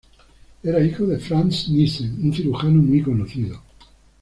Era el hijo de Franz Nissen, un cirujano muy conocido.